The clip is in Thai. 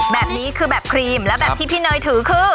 แบบนี้คือแบบครีมและแบบที่พี่เนยถือคือ